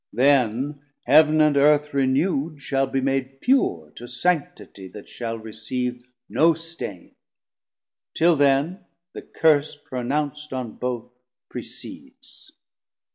Then Heav'n and Earth renewd shall be made pure To sanctitie that shall receive no staine: Till then the Curse pronounc't on both precedes.